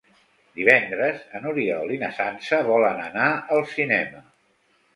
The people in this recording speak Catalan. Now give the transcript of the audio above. Divendres n'Oriol i na Sança volen anar al cinema.